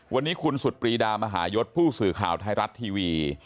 วันนี้คุณสุดปรีดามหายศผู้สื่อข่าวไทยรัฐทีวี